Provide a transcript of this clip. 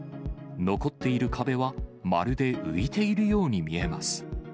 残っている壁はまるで浮いているように見えます。